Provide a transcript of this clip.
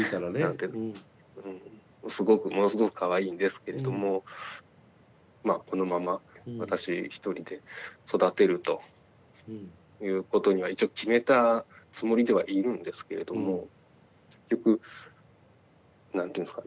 すごくものすごくかわいいんですけれどもまあこのまま私一人で育てるということには一応決めたつもりではいるんですけれども結局何ていうんですかね。